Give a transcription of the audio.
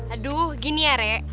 aduh gini ya re